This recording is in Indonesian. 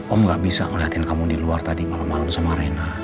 om gak bisa ngeliatin kamu di luar tadi malam malam sama rena